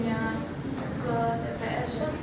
kemudiannya ke tps pun